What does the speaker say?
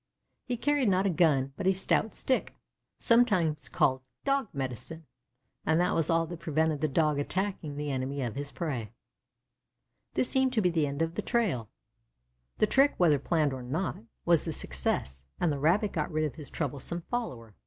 He carried, not a gun, but a stout stick, sometimes called "dog medicine," and that was all that prevented the Dog attacking the enemy of his prey. This seemed to be the end of the trail. The trick, whether planned or not, was a success, and the Rabbit got rid of his troublesome follower.